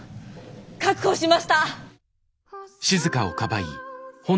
確保しました。